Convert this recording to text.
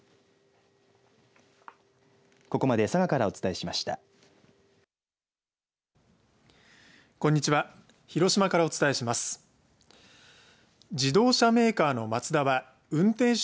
ここまで佐賀からお伝えしました。